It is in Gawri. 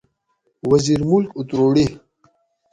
وزیرالملک اُتروڑی